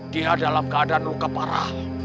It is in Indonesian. dia dalam keadaan luka parah